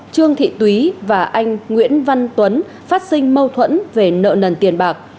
trương thị túy và anh nguyễn văn tuấn phát sinh mâu thuẫn về nợ nần tiền bạc